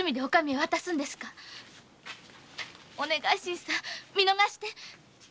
お願い新さん見逃して。